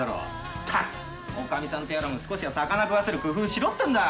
ったくおかみさんとやらも少しは魚食わせる工夫しろってんだ。